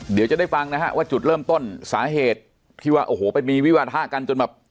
เดี๋ยวจะได้ฟังนะฮะว่าจุดเริ่มต้นสาเหตุที่ว่าโอ้โหไปมีวิวาทะกันจนแบบ